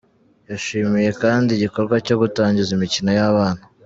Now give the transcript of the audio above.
Yashimiye kandi iigikorwa cyo gutangiza imikino y’ abana.